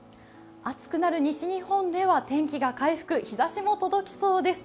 暑くなる西日本では天気が回復、日ざしも届きそうです。